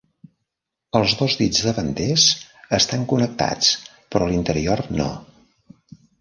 Els dos dits davanters estan connectats, però l'interior, no.